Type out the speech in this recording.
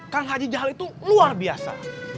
kang haji jahal itu luar biasa